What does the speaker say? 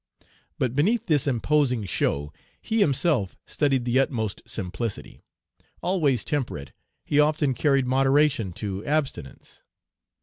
But, beneath this imposing show, he himself studied the utmost simplicity. Always temperate, he often carried moderation to abstinence.